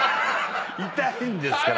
痛いんですから。